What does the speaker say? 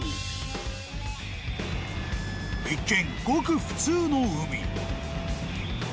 ［一見ごく普通の海］